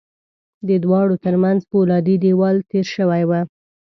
د دواړو ترمنځ پولادي دېوال تېر شوی و